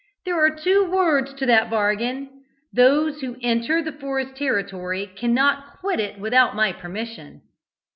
"There are two words to that bargain: those who enter the forest territory cannot quit it without my permission!"